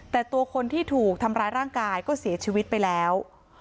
แต่ตัวคนที่ถูกทำร้ายร่างกายก็เสียชีวิตไปแล้ว